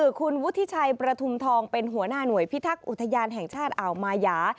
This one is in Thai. คือคุณวุฒิชัยประทุมทองเป็นหัวหน้าหน่วยพิทักษ์อุทยานแห่งชาติอ่าวมายา